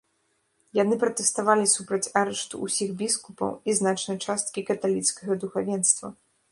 Яны пратэставалі супраць арышту ўсіх біскупаў і значнай часткі каталіцкага духавенства.